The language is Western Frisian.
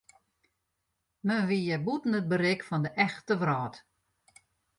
Men wie hjir bûten it berik fan de echte wrâld.